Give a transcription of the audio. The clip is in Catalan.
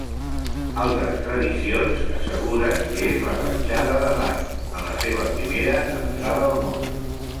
Altres tradicions asseguren que és la petjada d'Adam, en la seva primera entrada al món.